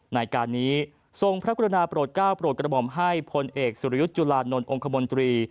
ในการนี้ทรงพระกรุณาโปรดก้าวโปรดกระหม่อมให้พลเอกสุรยุทธ์จุลานนท์องค์คมนตรี